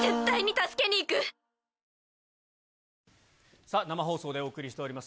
さあ、生放送でお送りしております。